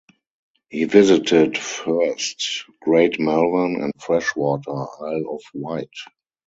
He visited first Great Malvern and Freshwater, Isle of Wight.